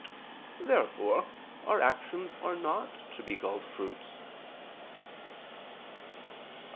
Therefore our actions are not to be called fruits. Obj.